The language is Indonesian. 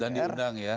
dan diundang ya